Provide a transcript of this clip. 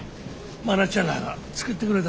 真夏ちゃんらが作ってくれたで。